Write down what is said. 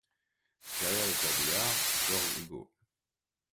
Derrière le corbillard, George Hugo.